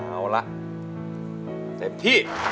เอาละเต็มที่